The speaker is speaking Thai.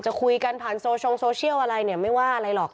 จะคุยกันผ่านโซชงโซเชียลอะไรเนี่ยไม่ว่าอะไรหรอก